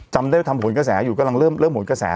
จำได้ทำผลกระแสอยู่กำลังเริ่มหนกระแส